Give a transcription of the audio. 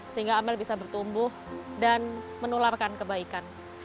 sehingga amel bisa bertumbuh dan menularkan kebaikan